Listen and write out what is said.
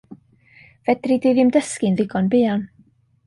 Fedri di ddim dysgu'n ddigon buan.